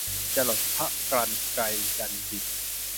จรดพระกรรไกรกรรบิด